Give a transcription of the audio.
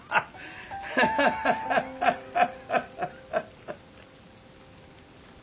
ハハハハハハハ。